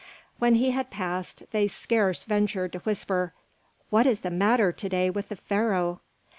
When he had passed, they scarce ventured to whisper, "What is the matter to day with the Pharaoh?"